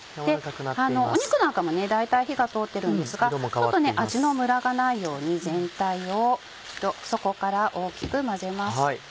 肉なんかもだいたい火が通ってるんですがちょっと味のムラがないように全体を一度底から大きく混ぜます。